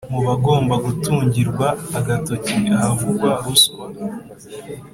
Mu bagomba gutungirwa agatoki ahavugwa ruswa,